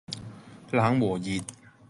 冷和熱